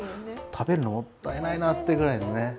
食べるの、もったいないなっていうくらいのね。